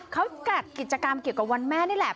เขาจัดกิจกรรมเกี่ยวกับวันแม่นี่แหละ